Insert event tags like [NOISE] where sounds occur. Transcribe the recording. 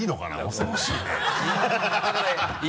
恐ろしいね [LAUGHS]